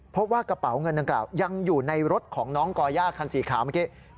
พบว่ากระเป๋าเงินดังกล่าวยังอยู่ในรถของน้องก่อย่าคันสีขาวเมื่อกี้